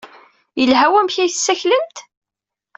Yelha wamek ay tessaklemt?